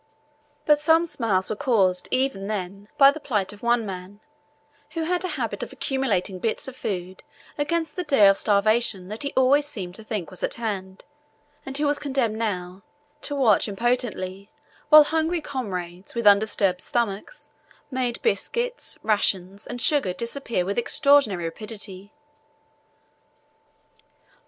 But some smiles were caused even then by the plight of one man, who had a habit of accumulating bits of food against the day of starvation that he seemed always to think was at hand, and who was condemned now to watch impotently while hungry comrades with undisturbed stomachs made biscuits, rations, and sugar disappear with extraordinary rapidity.